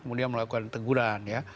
kemudian melakukan teguran ya